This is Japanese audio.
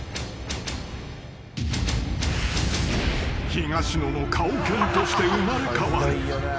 ［東野の顔犬として生まれ変わる］